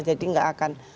jadi nggak akan